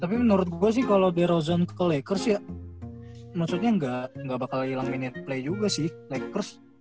tapi menurut gua sih kalo drauzan ke lakers ya maksudnya gak bakal kehilangan minute play juga sih lakers